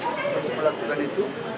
untuk melakukan itu